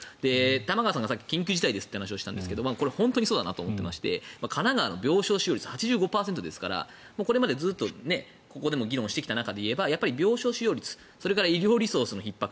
玉川さんがさっき緊急事態といったんですがこれ本当にそうだなと思っていて神奈川の病床使用率８５％ですからここでもずっと議論してきた中で言えばやっぱり病床使用率それから医療リソースのひっ迫